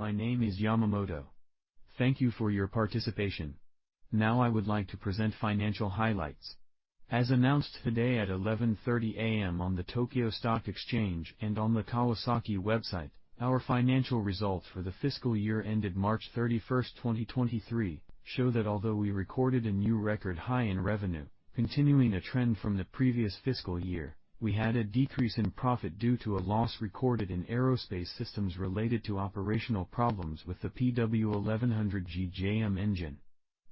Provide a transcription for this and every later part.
...My name is Yamamoto. Thank you for your participation. Now I would like to present financial highlights. As announced today at 11:30 A.M. on the Tokyo Stock Exchange and on the Kawasaki website, our financial results for the fiscal year ended March 31, 2023, show that although we recorded a new record high in revenue, continuing a trend from the previous fiscal year, we had a decrease in profit due to a loss recorded in Aerospace Systems related to operational problems with the PW1100G-JM engine.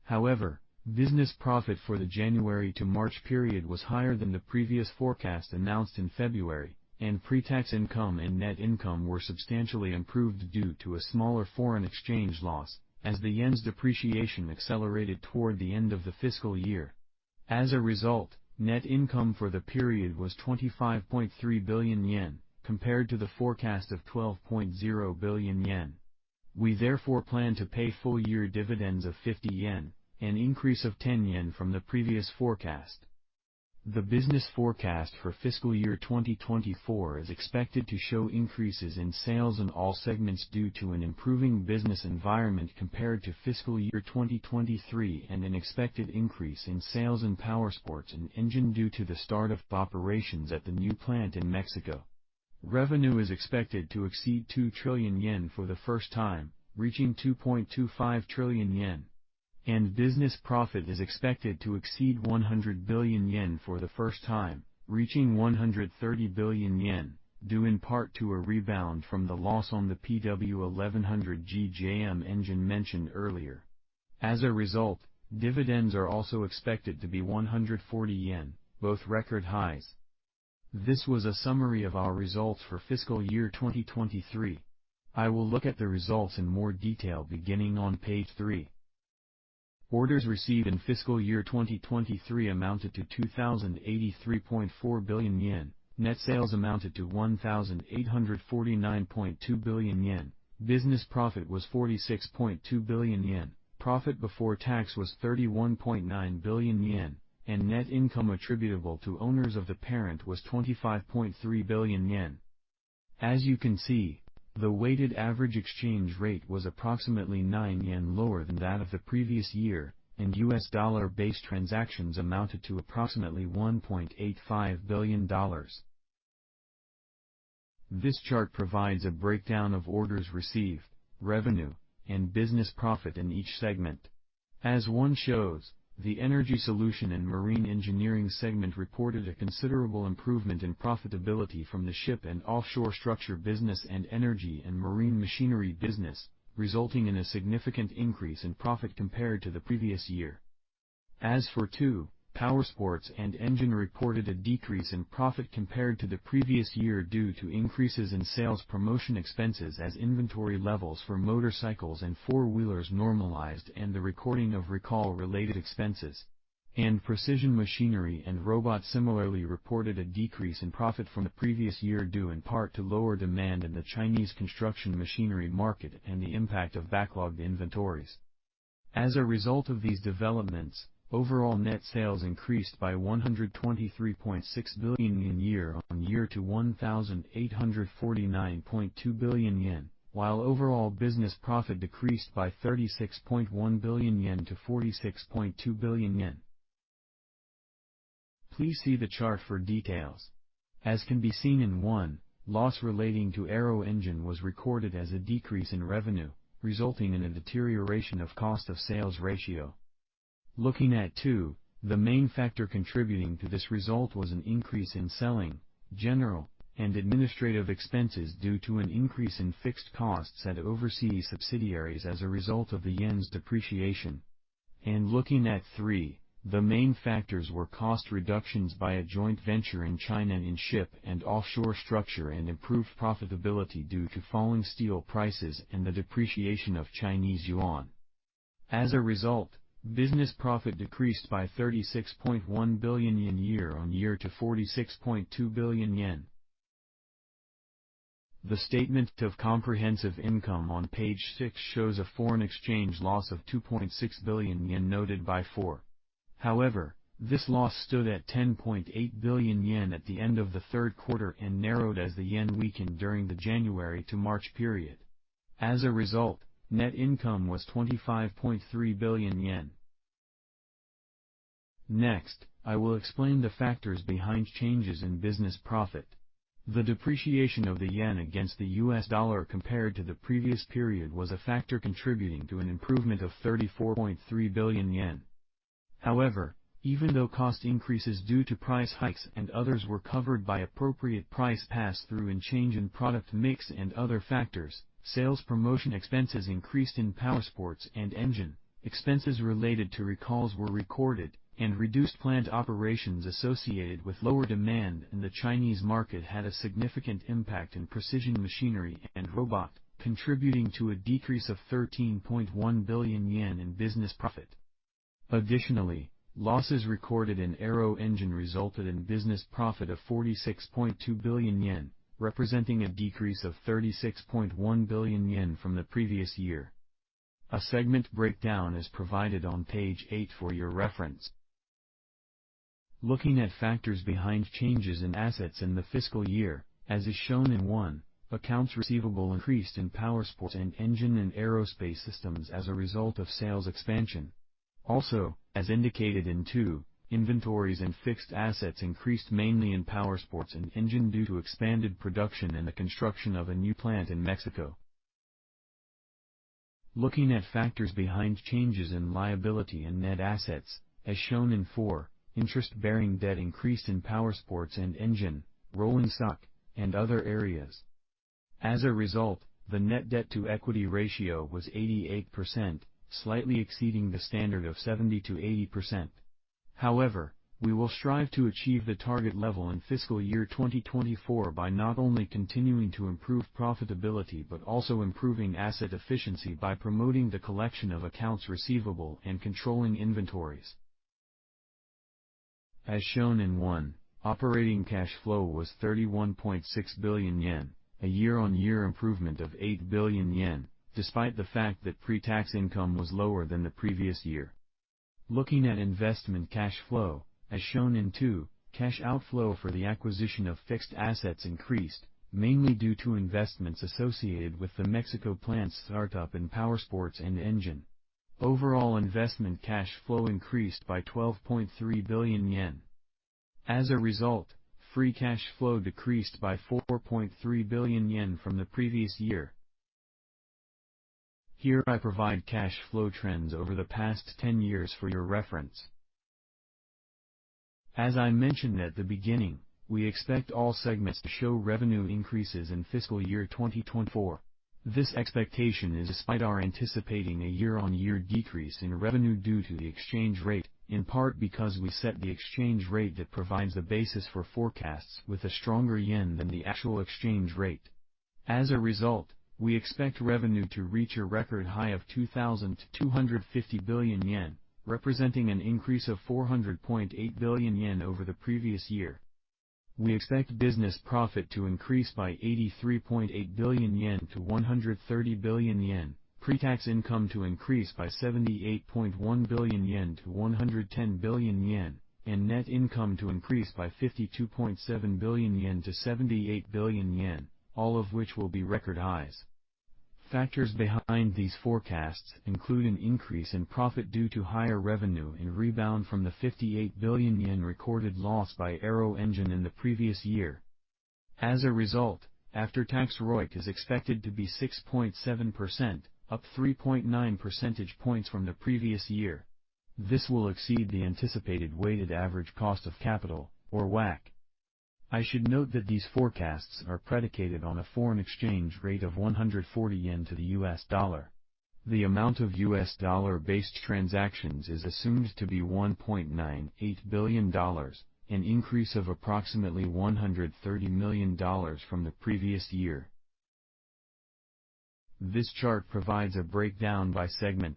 However, business profit for the January to March period was higher than the previous forecast announced in February, and pre-tax income and net income were substantially improved due to a smaller foreign exchange loss as the yen's depreciation accelerated toward the end of the fiscal year. As a result, net income for the period was 25.3 billion yen, compared to the forecast of 12.0 billion yen. We therefore plan to pay full-year dividends of 50 yen, an increase of 10 yen from the previous forecast. The business forecast for fiscal year 2024 is expected to show increases in sales in all segments due to an improving business environment compared to fiscal year 2023 and an expected increase in sales in Powersports & Engine due to the start of operations at the new plant in Mexico. Revenue is expected to exceed 2 trillion yen for the first time, reaching 2.25 trillion yen, and business profit is expected to exceed 100 billion yen for the first time, reaching 130 billion yen, due in part to a rebound from the loss on the PW1100G-JM engine mentioned earlier. As a result, dividends are also expected to be 140 yen, both record highs. This was a summary of our results for fiscal year 2023. I will look at the results in more detail beginning on page 3. Orders received in fiscal year 2023 amounted to 2,083.4 billion yen. Net sales amounted to 1,849.2 billion yen. business profits was 46.2 billion yen. Profit before tax was 31.9 billion yen, and net income attributable to owners of the parent was 25.3 billion yen. As you can see, the weighted average exchange rate was approximately 9 yen lower than that of the previous year, and U.S. dollar-based transactions amounted to approximately $1.85 billion. This chart provides a breakdown of orders received, revenue, and Business Profit in each segment. As one shows, the Energy Solution and Marine Engineering segment reported a considerable improvement in profitability from the Ship & Offshore Structure business and Energy & Marine Machinery business, resulting in a significant increase in profit compared to the previous year. As for two, Powersports & Engine reported a decrease in profit compared to the previous year due to increases in sales promotion expenses as inventory levels for motorcycles and four-wheelers normalized and the recording of recall-related expenses. Precision Machinery and Robot similarly reported a decrease in profit from the previous year, due in part to lower demand in the Chinese construction machinery market and the impact of backlogged inventories. As a result of these developments, overall net sales increased by 123.6 billion yen year-on-year to 1,849.2 billion yen, while overall business profit decreased by 36.1 billion yen to 46.2 billion yen. Please see the chart for details. As can be seen in one, loss relating to Aero Engine was recorded as a decrease in revenue, resulting in a deterioration of cost of sales ratio. Looking at two, the main factor contributing to this result was an increase in selling, general, and administrative expenses due to an increase in fixed costs at overseas subsidiaries as a result of the yen's depreciation. Looking at three, the main factors were cost reductions by a joint venture in China in Ship & Offshore Structure, and improved profitability due to falling steel prices and the depreciation of Chinese yuan. As a result, business profit decreased by 36.1 billion yen year-on-year to 46.2 billion yen. The statement of comprehensive income on page six shows a foreign exchange loss of 2.6 billion yen noted by four. However, this loss stood at 10.8 billion yen at the end of the third quarter and narrowed as the yen weakened during the January to March period. As a result, net income was 25.3 billion yen. Next, I will explain the factors behind changes in business profit. The depreciation of the yen against the U.S. dollar compared to the previous period was a factor contributing to an improvement of 34.3 billion yen. However, even though cost increases due to price hikes and others were covered by appropriate price pass-through and change in product mix and other factors, sales promotion expenses increased in Powersports & Engine. Expenses related to recalls were recorded, and reduced plant operations associated with lower demand in the Chinese market had a significant impact in Precision Machinery & Robot, contributing to a decrease of 13.1 billion yen in business profit. Additionally, losses recorded in Aero Engine resulted in Business Profit of 46.2 billion yen, representing a decrease of 36.1 billion yen from the previous year. A segment breakdown is provided on page 8 for your reference. Looking at factors behind changes in assets in the fiscal year, as is shown in 1, accounts receivable increased in Powersports and Engine and Aerospace Systems as a result of sales expansion. Also, as indicated in 2, inventories and fixed assets increased mainly in Powersports and Engine due to expanded production and the construction of a new plant in Mexico. Looking at factors behind changes in liability and net assets, as shown in 4, interest-bearing debt increased in Powersports and Engine, Rolling Stock, and other areas. As a result, the net debt-to-equity ratio was 88%, slightly exceeding the standard of 70%-80%. However, we will strive to achieve the target level in fiscal year 2024 by not only continuing to improve profitability but also improving asset efficiency by promoting the collection of accounts receivable and controlling inventories. As shown in one, operating cash flow was 31.6 billion yen, a year-on-year improvement of 8 billion yen, despite the fact that pre-tax income was lower than the previous year. Looking at investment cash flow, as shown in two, cash outflow for the acquisition of fixed assets increased, mainly due to investments associated with the Mexico plant startup in Powersports and Engine. Overall investment cash flow increased by 12.3 billion yen. As a result, free cash flow decreased by 4.3 billion yen from the previous year. Here I provide cash flow trends over the past 10 years for your reference. As I mentioned at the beginning, we expect all segments to show revenue increases in fiscal year 2024. This expectation is despite our anticipating a year-on-year decrease in revenue due to the exchange rate, in part because we set the exchange rate that provides the basis for forecasts with a stronger yen than the actual exchange rate. As a result, we expect revenue to reach a record high of 2,250 billion yen, representing an increase of 400.8 billion yen over the previous year. We expect Business Profit to increase by 83.8 billion yen to 130 billion yen, pre-tax income to increase by 78.1 billion yen to 110 billion yen, and net income to increase by 52.7 billion yen to 78 billion yen, all of which will be record highs. Factors behind these forecasts include an increase in profit due to higher revenue and rebound from the 58 billion yen recorded loss by Aero Engine in the previous year. As a result, after-tax ROIC is expected to be 6.7%, up 3.9 percentage points from the previous year. This will exceed the anticipated weighted average cost of capital, or WACC. I should note that these forecasts are predicated on a foreign exchange rate of 140 yen to the US dollar. The amount of US dollar-based transactions is assumed to be $1.98 billion, an increase of approximately $130 million from the previous year. This chart provides a breakdown by segment.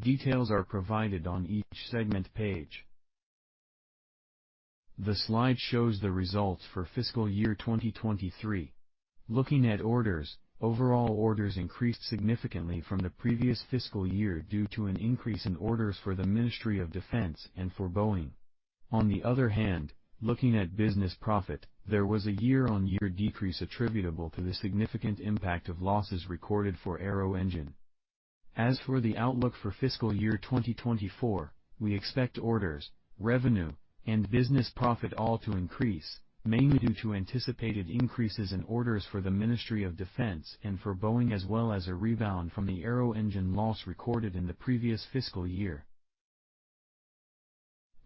Details are provided on each segment page. The slide shows the results for fiscal year 2023. Looking at orders, overall orders increased significantly from the previous fiscal year due to an increase in orders for the Ministry of Defense and for Boeing. On the other hand, looking at business profit, there was a year-on-year decrease attributable to the significant impact of losses recorded for Aero Engine. As for the outlook for fiscal year 2024, we expect orders, revenue, and business profit all to increase, mainly due to anticipated increases in orders for the Ministry of Defense and for Boeing, as well as a rebound from the Aero Engine loss recorded in the previous fiscal year.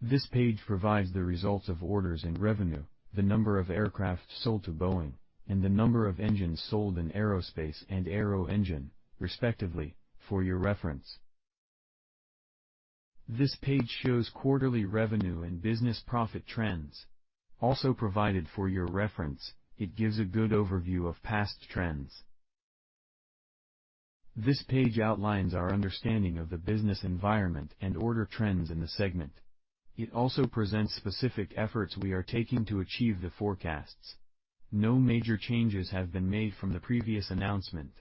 This page provides the results of orders and revenue, the number of aircraft sold to Boeing, and the number of engines sold in Aerospace and Aero Engine, respectively, for your reference. This page shows quarterly revenue and business profit trends. Also provided for your reference, it gives a good overview of past trends. This page outlines our understanding of the business environment and order trends in the segment. It also presents specific efforts we are taking to achieve the forecasts. No major changes have been made from the previous announcement.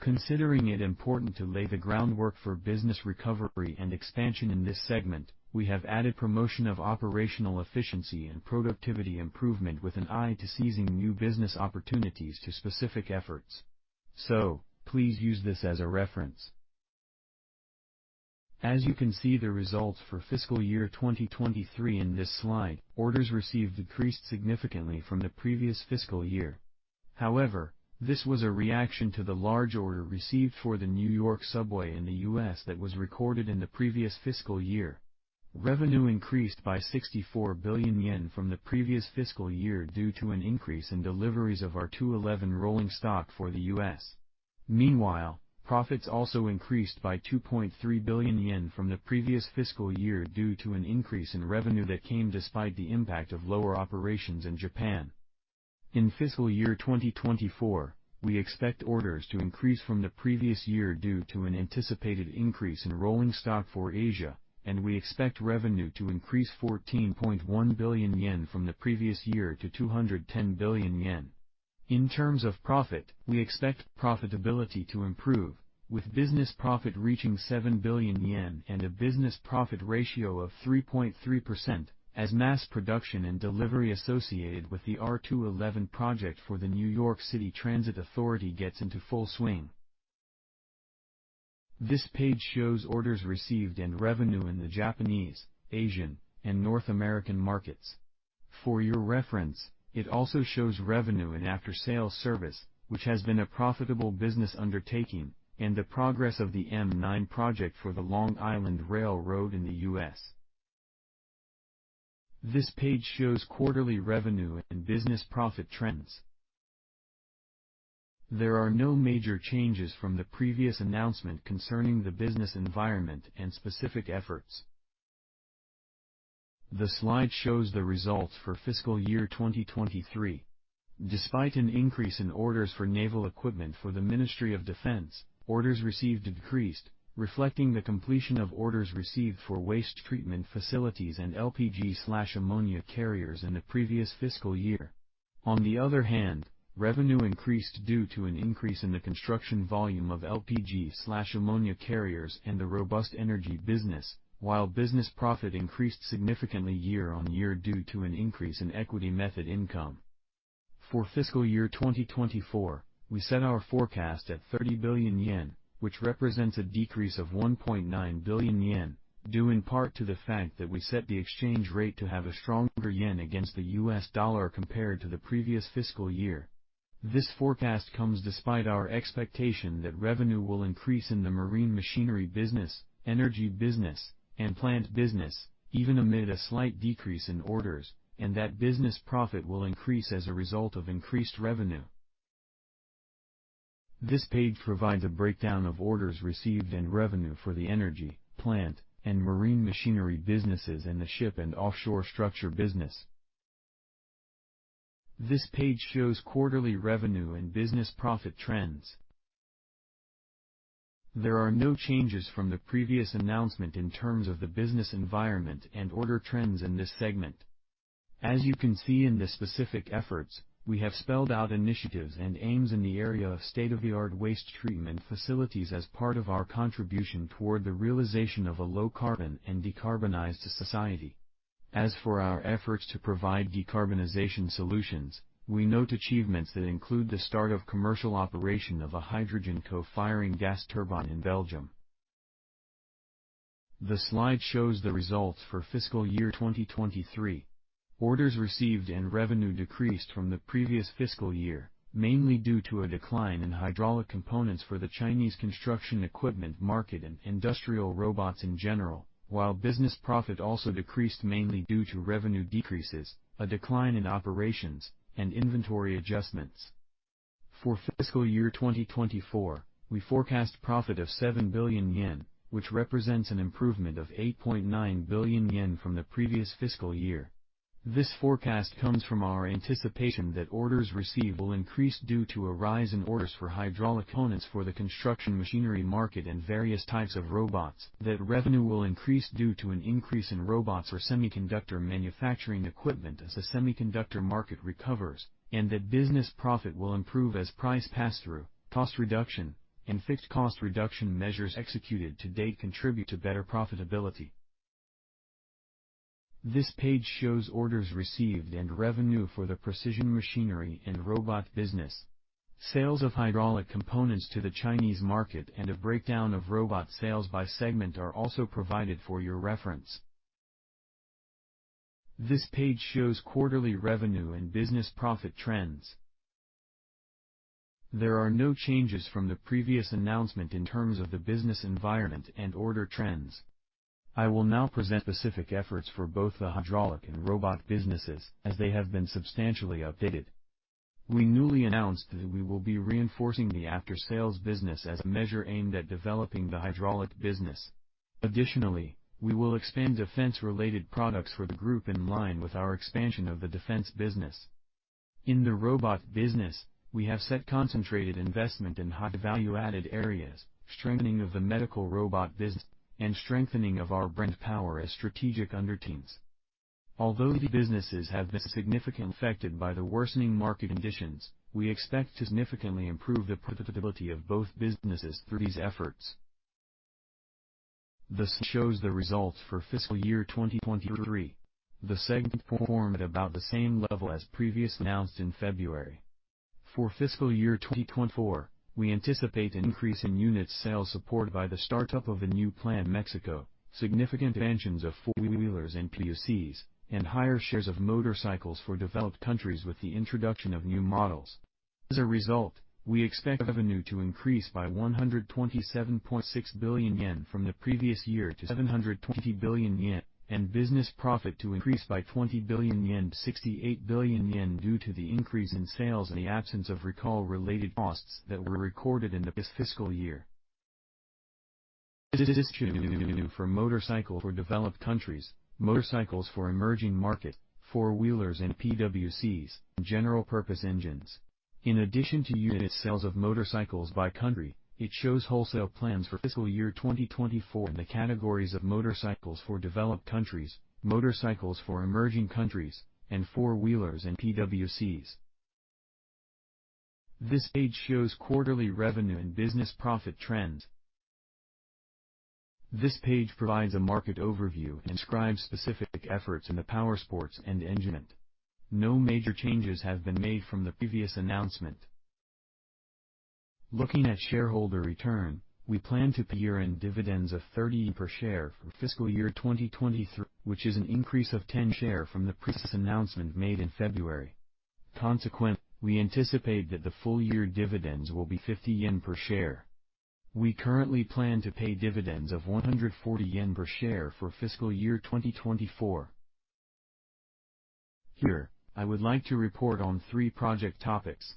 Considering it important to lay the groundwork for business recovery and expansion in this segment, we have added promotion of operational efficiency and productivity improvement with an eye to seizing new business opportunities to specific efforts. So please use this as a reference. As you can see, the results for fiscal year 2023 in this slide, orders received decreased significantly from the previous fiscal year. However, this was a reaction to the large order received for the New York Subway in the U.S. that was recorded in the previous fiscal year. Revenue increased by 64 billion yen from the previous fiscal year due to an increase in deliveries of our R211 rolling stock for the U.S. Meanwhile, profits also increased by 2.3 billion yen from the previous fiscal year due to an increase in revenue that came despite the impact of lower operations in Japan. In fiscal year 2024, we expect orders to increase from the previous year due to an anticipated increase in rolling stock for Asia, and we expect revenue to increase 14.1 billion yen from the previous year to 210 billion yen. In terms of profit, we expect profitability to improve, with business profit reaching 7 billion yen and a business profit ratio of 3.3%, as mass production and delivery associated with the R211 project for the New York City Transit Authority gets into full swing. This page shows orders received and revenue in the Japanese, Asian, and North American markets. For your reference, it also shows revenue and after-sales service, which has been a profitable business undertaking, and the progress of the M9 project for the Long Island Rail Road in the U.S. This page shows quarterly revenue and business profit trends. There are no major changes from the previous announcement concerning the business environment and specific efforts. The slide shows the results for fiscal year 2023. Despite an increase in orders for naval equipment for the Ministry of Defense, orders received decreased, reflecting the completion of orders received for waste treatment facilities and LPG/ammonia carriers in the previous fiscal year. On the other hand, revenue increased due to an increase in the construction volume of LPG/ammonia carriers and the robust energy business, while business profit increased significantly year-on-year due to an increase in equity method income. For fiscal year 2024, we set our forecast at 30 billion yen, which represents a decrease of 1.9 billion yen, due in part to the fact that we set the exchange rate to have a stronger yen against the US dollar compared to the previous fiscal year. This forecast comes despite our expectation that revenue will increase in the marine machinery business, energy business, and plant business, even amid a slight decrease in orders, and that business profit will increase as a result of increased revenue. This page provides a breakdown of orders received and revenue for the Energy, Plant, and Marine Machinery businesses and the Ship & Offshore Structure business. This page shows quarterly revenue and business profit trends. There are no changes from the previous announcement in terms of the business environment and order trends in this segment. As you can see in the specific efforts, we have spelled out initiatives and aims in the area of state-of-the-art waste treatment facilities as part of our contribution toward the realization of a low-carbon and decarbonized society. As for our efforts to provide decarbonization solutions, we note achievements that include the start of commercial operation of a hydrogen co-firing gas turbine in Belgium. The slide shows the results for fiscal year 2023. Orders received and revenue decreased from the previous fiscal year, mainly due to a decline in hydraulic components for the Chinese construction equipment market and industrial robots in general, while business profit also decreased mainly due to revenue decreases, a decline in operations, and inventory adjustments. For fiscal year 2024, we forecast profit of 7 billion yen, which represents an improvement of 8.9 billion yen from the previous fiscal year. This forecast comes from our anticipation that orders received will increase due to a rise in orders for hydraulic components for the construction machinery market and various types of robots, that revenue will increase due to an increase in robots for semiconductor manufacturing equipment as the semiconductor market recovers, and that business profit will improve as price pass-through, cost reduction, and fixed cost reduction measures executed to date contribute to better profitability. This page shows orders received and revenue for the Precision Machinery and Robot business. Sales of hydraulic components to the Chinese market and a breakdown of robot sales by segment are also provided for your reference. This page shows quarterly revenue and Business Profit trends. There are no changes from the previous announcement in terms of the business environment and order trends. I will now present specific efforts for both the hydraulic and robot businesses, as they have been substantially updated. We newly announced that we will be reinforcing the after-sales business as a measure aimed at developing the hydraulic business. Additionally, we will expand defense-related products for the group in line with our expansion of the defense business. In the robot business, we have set concentrated investment in high value-added areas, strengthening of the medical robot business, and strengthening of our brand power as strategic undertakings. Although these businesses have been significantly affected by the worsening market conditions, we expect to significantly improve the profitability of both businesses through these efforts. The slide shows the results for fiscal year 2023. The segment performed at about the same level as previously announced in February. For fiscal year 2024, we anticipate an increase in units sales supported by the startup of a new plant in Mexico, significant expansions of four-wheelers and PWC, and higher shares of motorcycles for developed countries with the introduction of new models. As a result, we expect revenue to increase by 127.6 billion yen from the previous year to 720 billion yen, and business profit to increase by 20 billion yen to 68 billion yen due to the increase in sales and the absence of recall-related costs that were recorded in the previous fiscal year. This is distributed for motorcycles for developed countries, motorcycles for emerging markets, four-wheelers and PWCs, and general-purpose engines. In addition to unit sales of motorcycles by country, it shows wholesale plans for fiscal year 2024 in the categories of motorcycles for developed countries, motorcycles for emerging countries, and four-wheelers and PWCs.... This page shows quarterly revenue and Business Profit trends. This page provides a market overview and describes specific efforts in the powersports and engine segment. No major changes have been made from the previous announcement. Looking at shareholder return, we plan to pay year-end dividends of 30 yen per share for fiscal year 2023, which is an increase of 10 JPY per share from the previous announcement made in February. Consequently, we anticipate that the full-year dividends will be 50 yen per share. We currently plan to pay dividends of 140 yen per share for fiscal year 2024. Here, I would like to report on three project topics.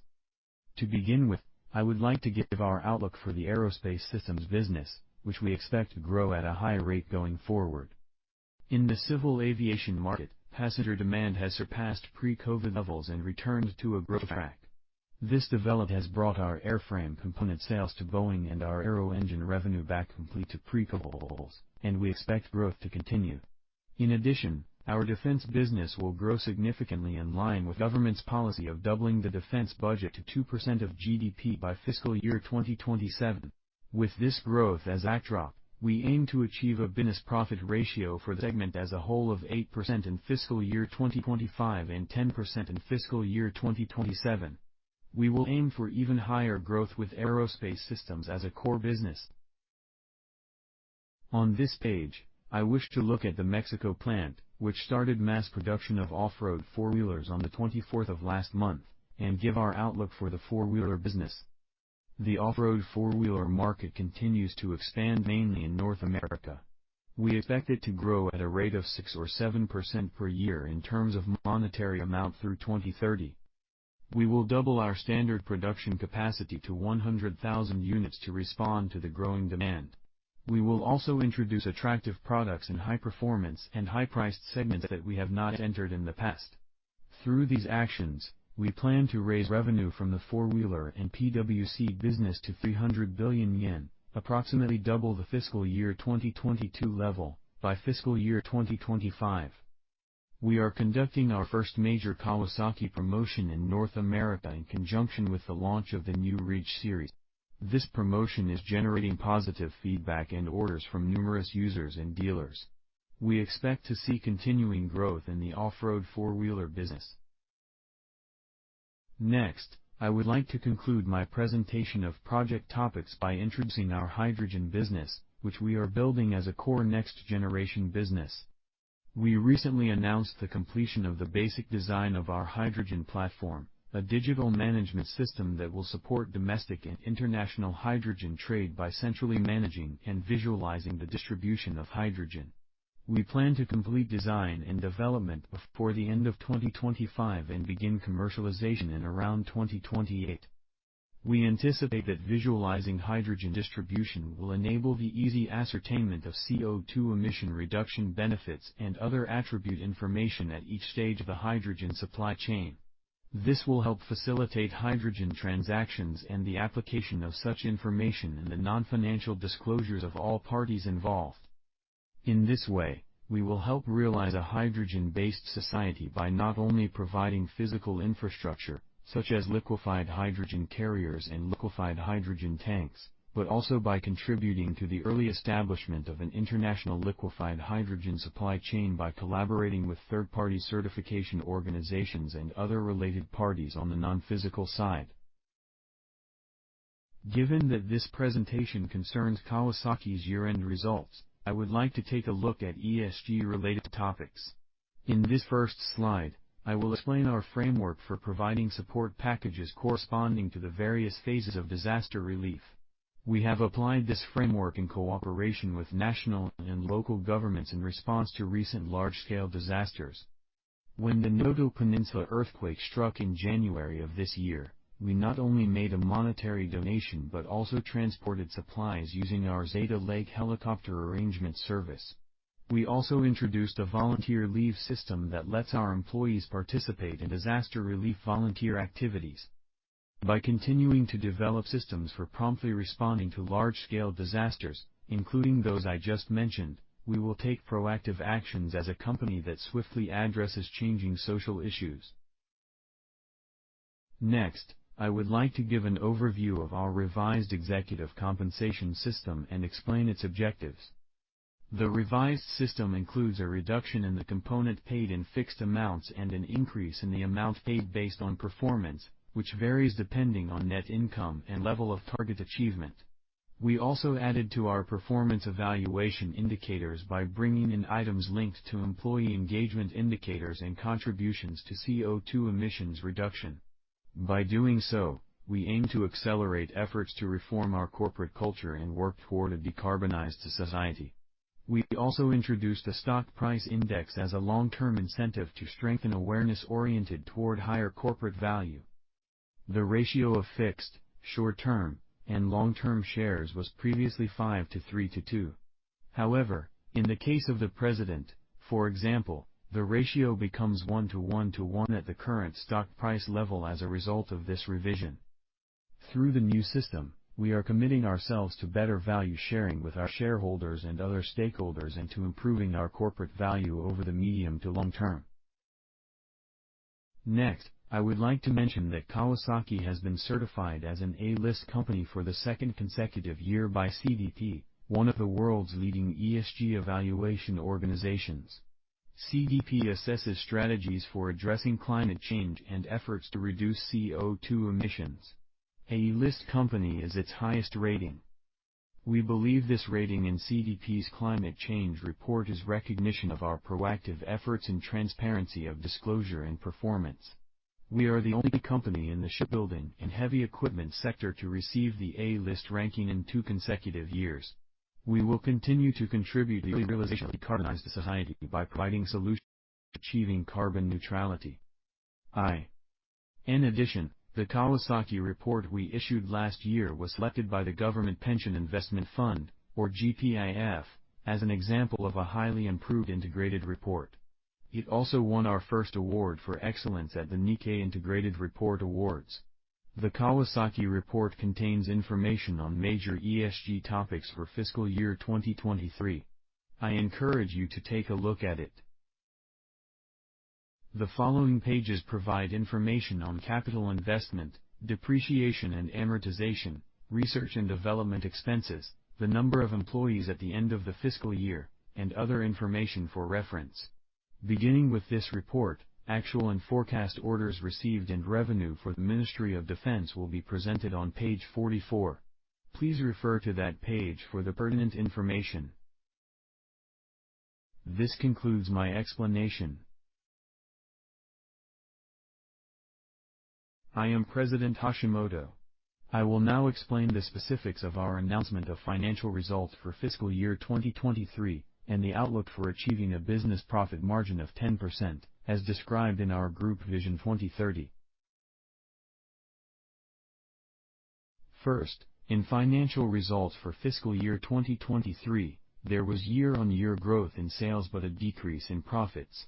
To begin with, I would like to give our outlook for the aerospace systems business, which we expect to grow at a high rate going forward. In the civil aviation market, passenger demand has surpassed pre-COVID levels and returned to a growth track. This development has brought our airframe component sales to Boeing and our aero-engine revenue back completely to pre-COVID levels, and we expect growth to continue. In addition, our defense business will grow significantly in line with government's policy of doubling the defense budget to 2% of GDP by fiscal year 2027. With this growth as a backdrop, we aim to achieve a Business Profit ratio for the segment as a whole of 8% in fiscal year 2025 and 10% in fiscal year 2027. We will aim for even higher growth with Aerospace Systems as a core business. On this page, I wish to look at the Mexico plant, which started mass production of off-road four-wheelers on the twenty-fourth of last month, and give our outlook for the four-wheeler business. The off-road four-wheeler market continues to expand, mainly in North America. We expect it to grow at a rate of 6% or 7% per year in terms of monetary amount through 2030. We will double our standard production capacity to 100,000 units to respond to the growing demand. We will also introduce attractive products in high-performance and high-priced segments that we have not entered in the past. Through these actions, we plan to raise revenue from the four-wheeler and PWC business to 300 billion yen, approximately double the fiscal year 2022 level by fiscal year 2025. We are conducting our first major Kawasaki promotion in North America in conjunction with the launch of the new RIDGE series. This promotion is generating positive feedback and orders from numerous users and dealers. We expect to see continuing growth in the off-road four-wheeler business. Next, I would like to conclude my presentation of project topics by introducing our hydrogen business, which we are building as a core next-generation business. We recently announced the completion of the basic design of our hydrogen platform, a digital management system that will support domestic and international hydrogen trade by centrally managing and visualizing the distribution of hydrogen. We plan to complete design and development before the end of 2025 and begin commercialization in around 2028. We anticipate that visualizing hydrogen distribution will enable the easy ascertainment of CO₂ emission reduction benefits and other attribute information at each stage of the hydrogen supply chain. This will help facilitate hydrogen transactions and the application of such information in the non-financial disclosures of all parties involved. In this way, we will help realize a hydrogen-based society by not only providing physical infrastructure, such as liquefied hydrogen carriers and liquefied hydrogen tanks, but also by contributing to the early establishment of an international liquefied hydrogen supply chain by collaborating with third-party certification organizations and other related parties on the non-physical side. Given that this presentation concerns Kawasaki's year-end results, I would like to take a look at ESG-related topics. In this first slide, I will explain our framework for providing support packages corresponding to the various phases of disaster relief. We have applied this framework in cooperation with national and local governments in response to recent large-scale disasters. When the Noto Peninsula earthquake struck in January of this year, we not only made a monetary donation, but also transported supplies using our Z-Leg helicopter arrangement service. We also introduced a volunteer leave system that lets our employees participate in disaster relief volunteer activities. By continuing to develop systems for promptly responding to large-scale disasters, including those I just mentioned, we will take proactive actions as a company that swiftly addresses changing social issues. Next, I would like to give an overview of our revised executive compensation system and explain its objectives. The revised system includes a reduction in the component paid in fixed amounts and an increase in the amount paid based on performance, which varies depending on net income and level of target achievement. We also added to our performance evaluation indicators by bringing in items linked to employee engagement indicators and contributions to CO₂ emissions reduction. By doing so, we aim to accelerate efforts to reform our corporate culture and work toward a decarbonized society. We also introduced a stock price index as a long-term incentive to strengthen awareness oriented toward higher corporate value. The ratio of fixed, short-term, and long-term shares was previously 5:3:2. However, in the case of the president, for example, the ratio becomes 1:1:1 at the current stock price level as a result of this revision. Through the new system, we are committing ourselves to better value sharing with our shareholders and other stakeholders, and to improving our corporate value over the medium to long term. Next, I would like to mention that Kawasaki has been certified as an A List company for the second consecutive year by CDP, one of the world's leading ESG evaluation organizations. CDP assesses strategies for addressing climate change and efforts to reduce CO₂ emissions. A List company is its highest rating. We believe this rating in CDP's climate change report is recognition of our proactive efforts and transparency of disclosure and performance. We are the only company in the shipbuilding and heavy equipment sector to receive the A List ranking in two consecutive years. We will continue to contribute to the realization of decarbonized society by providing solutions for achieving carbon neutrality. In addition, the Kawasaki Report we issued last year was selected by the Government Pension Investment Fund, or GPIF, as an example of a highly improved integrated report. It also won our first award for excellence at the Nikkei Integrated Report Awards. The Kawasaki Report contains information on major ESG topics for fiscal year 2023. I encourage you to take a look at it. The following pages provide information on capital investment, depreciation and amortization, research and development expenses, the number of employees at the end of the fiscal year, and other information for reference. Beginning with this report, actual and forecast orders received and revenue for the Ministry of Defense will be presented on page 44. Please refer to that page for the pertinent information. This concludes my explanation. I am President Hashimoto. I will now explain the specifics of our announcement of financial results for fiscal year 2023, and the outlook for achieving a business profit margin of 10%, as described in our Group Vision 2030. First, in financial results for fiscal year 2023, there was year-on-year growth in sales, but a decrease in profits.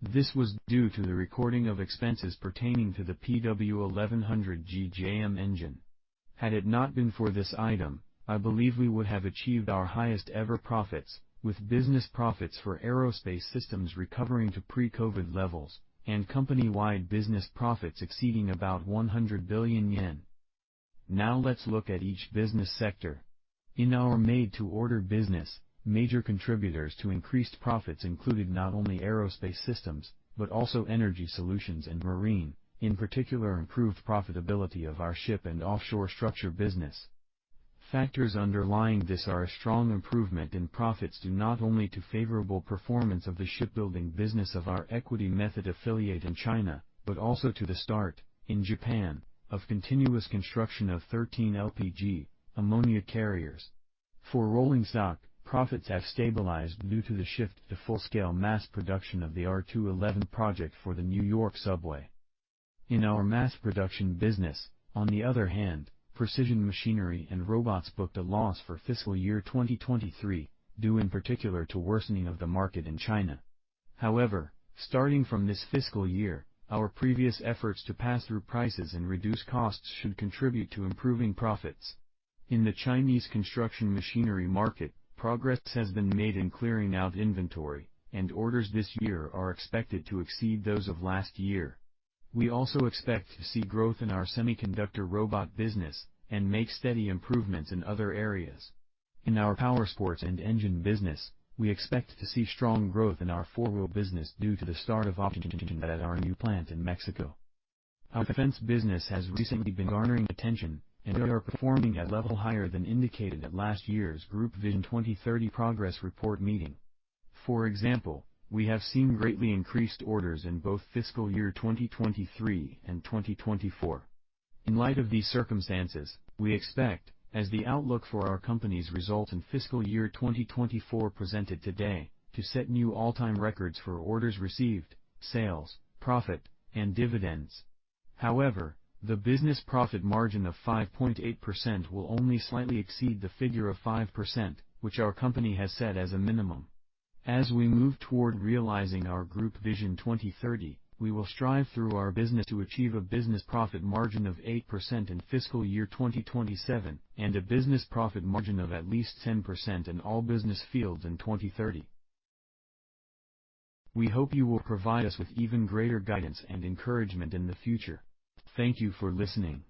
This was due to the recording of expenses pertaining to the PW1100G-JM engine. Had it not been for this item, I believe we would have achieved our highest ever profits, with business profits for Aerospace Systems recovering to pre-COVID levels and company-wide business profits exceeding about 100 billion yen. Now let's look at each business sector. In our made-to-order business, major contributors to increased profits included not only Aerospace Systems, but also Energy Solution and Marine Engineering. In particular, improved profitability of our Ship & Offshore Structure business. Factors underlying this are a strong improvement in profits, due not only to favorable performance of the shipbuilding business of our equity method affiliate in China, but also to the start in Japan of continuous construction of 13 LPG/ammonia carriers. For Rolling Stock, profits have stabilized due to the shift to full-scale mass production of the R211 project for the New York Subway. In our mass production business, on the other hand, Precision Machinery and Robot booked a loss for fiscal year 2023, due in particular to worsening of the market in China. However, starting from this fiscal year, our previous efforts to pass through prices and reduce costs should contribute to improving profits. In the Chinese construction machinery market, progress has been made in clearing out inventory, and orders this year are expected to exceed those of last year. We also expect to see growth in our semiconductor robot business and make steady improvements in other areas. In our Powersports and Engine business, we expect to see strong growth in our four-wheel business due to the start of operations at our new plant in Mexico. Our defense business has recently been garnering attention, and we are performing at a level higher than indicated at last year's Group Vision 2030 Progress Report meeting. For example, we have seen greatly increased orders in both fiscal year 2023 and 2024. In light of these circumstances, we expect, as the outlook for our company's result in fiscal year 2024 presented today, to set new all-time records for orders received, sales, profit, and dividends. However, the business profit margin of 5.8% will only slightly exceed the figure of 5%, which our company has set as a minimum. As we move toward realizing our Group Vision 2030, we will strive through our business to achieve a business profit margin of 8% in fiscal year 2027, and a business profit margin of at least 10% in all business fields in 2030. We hope you will provide us with even greater guidance and encouragement in the future. Thank you for listening.